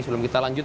sebelum kita lanjut